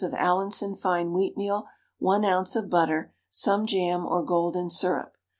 of Allinson fine wheatmeal, 1 oz. of butter; some jam or golden syrup.